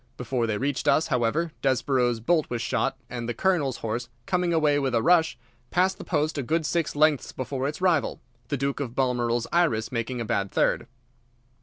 Before they reached us, however, Desborough's bolt was shot, and the Colonel's horse, coming away with a rush, passed the post a good six lengths before its rival, the Duke of Balmoral's Iris making a bad third.